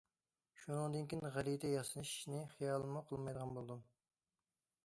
شۇنىڭدىن كېيىن غەلىتە ياسىنىشنى خىيالمۇ قىلمايدىغان بولدۇم.